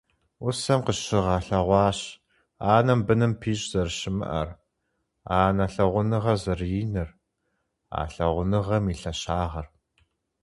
Усэм къыщыгъэлъэгъуащ анэм быным пищӀ зэрыщымыӀэр, анэ лъагъуныгъэр зэрыиныр, а лъагъуныгъэм и лъэщагъыр.